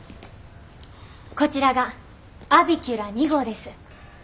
こちらがアビキュラ２号です。